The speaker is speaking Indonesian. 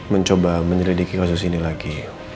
mencoba menyelidiki kasus ini lagi